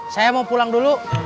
saya mau pulang dulu